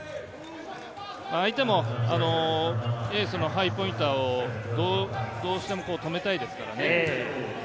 相手もエースのハイポインターをどうしても止めたいですからね。